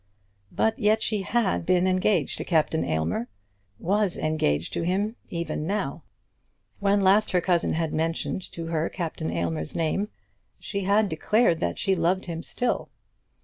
But yet she had been engaged to Captain Aylmer, was engaged to him even now. When last her cousin had mentioned to her Captain Aylmer's name she had declared that she loved him still.